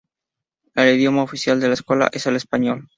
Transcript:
El idioma oficial de la escuela es el español.